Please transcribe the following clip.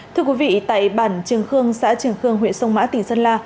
thưa quý vị tại bản trường khương xã trường khương huyện sông mã tỉnh sơn la